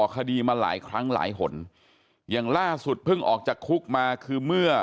คดีมาหลายครั้งหลายหนอย่างล่าสุดเพิ่งออกจากคุกมาคือเมื่อ